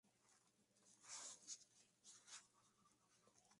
La especie "H. spicata" se refiere a la disposición de sus inflorescencias en espigas.